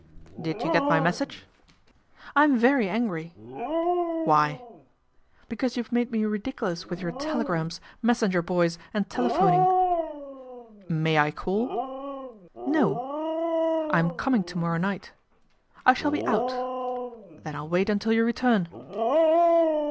" Did you get my message ?"" I'm very angry." " Why ?"" Because you've made me ridiculous with your telegrams, messenger boys, and telephoning." " May I call ?"" No." " I'm coming to morrow night." " I shall be out." " Then I'll wait until you return."